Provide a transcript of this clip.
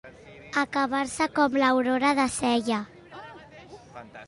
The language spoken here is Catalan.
Acabar-se com l'aurora de Sella.